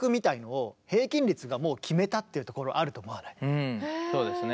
うんそうですね。